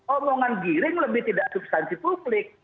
omongan giring lebih tidak substansi publik